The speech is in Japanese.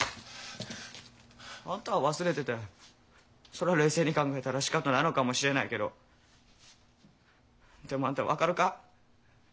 あんたは忘れててそりゃ冷静に考えたらしかたないのかもしれないけどでもあんた分かるか？